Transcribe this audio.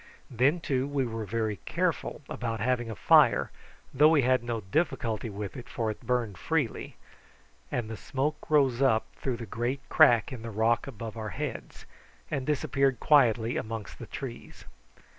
Then, too, we were very careful about having a fire, though we had no difficulty with it, for it burned freely, and the smoke rose up through the great crack in the rock above our heads, and disappeared quietly amongst the trees.